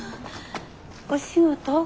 お仕事？